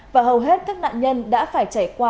và hầu hết các nạn nhân đã phải trải qua